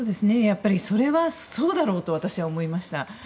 それはそうだろうと私は思いました。